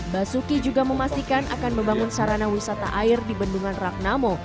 basuki juga memastikan akan membangun sarana wisata air di bendungan ragnamo